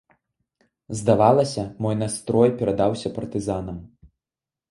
Здавалася, мой настрой перадаўся партызанам.